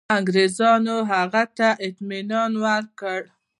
انګرېزانو هغه ته اطمیان ورکړ.